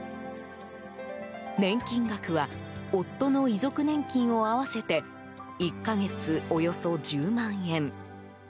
年金額は夫の遺族年金を合わせて１か月およそ１０万円。